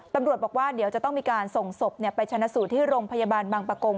ตำรวจบอกว่าเดี๋ยวจะต้องมีการส่งศพไปชนะสูตรที่โรงพยาบาลบางประกง